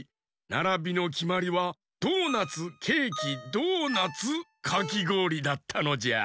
ならびのきまりはドーナツケーキドーナツかきごおりだったのじゃ。